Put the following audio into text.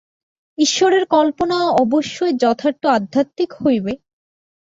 ঈশ্বরের কল্পনা অবশ্যই যথার্থ আধ্যাত্মিক হইবে।